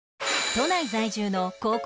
都内在住の高校